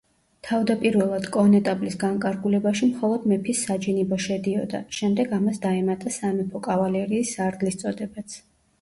თავდაპირველად კონეტაბლის განკარგულებაში მხოლოდ მეფის საჯინიბო შედიოდა, შემდეგ ამას დაემატა სამეფო კავალერიის სარდლის წოდებაც.